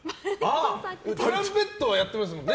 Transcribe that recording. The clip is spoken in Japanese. トランペットはやってますもんね。